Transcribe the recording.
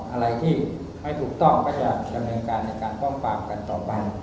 อะไรที่ไม่ถูกต้องก็จะดำเนินการในการป้องปรามกันต่อไป